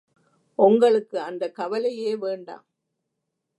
ஒங்களுக்கு அந்தக் கவலையே வேண்டாம்.